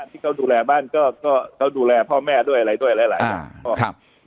ที่เขาดูแลบ้านก็ดูแลพ่อแม่ด้วยอะไรด้วยอะไร